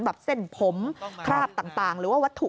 เส้นผมคราบต่างหรือว่าวัตถุ